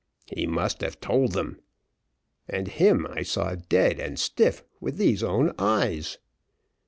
He must have told them; and him I saw dead and stiff, with these own eyes.